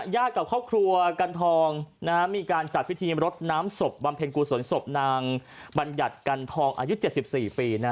กับครอบครัวกันทองมีการจัดพิธีรดน้ำศพบำเพ็ญกุศลศพนางบัญญัติกันทองอายุ๗๔ปี